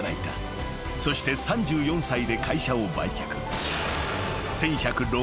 ［そして３４歳で会社を売却］